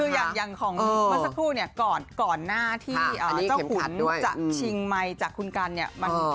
คืออย่างของเมื่อสักครู่เนี่ยก่อนหน้าที่เจ้าขุนจะชิงไมค์จากคุณกันเนี่ย